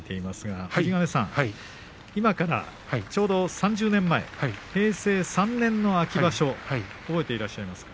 今からちょうど３０年前平成３年の秋場所覚えてらっしゃいますか？